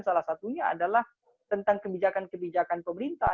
salah satunya adalah tentang kebijakan kebijakan pemerintah